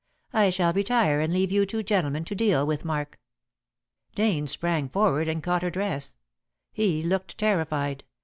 I shall retire and leave you two gentlemen to deal with Mark." Dane sprang forward and caught her dress. He looked terrified.